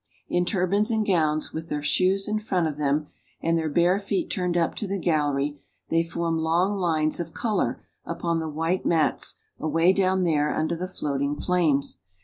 In turbans and gowns, with their shoes in front of them, and their bare feet turned up to the gallery, they form long lines of color upon the white mats away down there under the floating flames.